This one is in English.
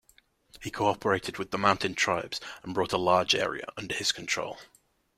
He cooperated with the mountain tribes and brought a large area under his control.